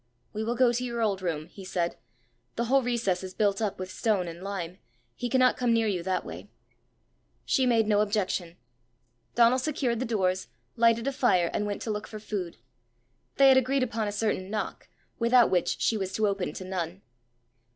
"We will go to your old room," he said. "The whole recess is built up with stone and lime: he cannot come near you that way!" She made no objection. Donal secured the doors, lighted a fire, and went to look for food. They had agreed upon a certain knock, without which she was to open to none.